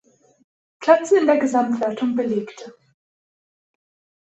Platz in der Gesamtwertung belegte.